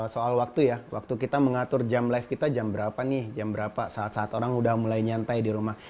soal waktu ya waktu kita mengatur jam live kita jam berapa nih jam berapa saat saat orang udah mulai nyantai di rumah